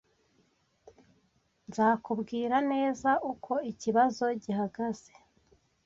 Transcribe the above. Nzakubwira neza uko ikibazo gihagaze